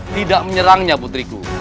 tidak menyerangnya putriku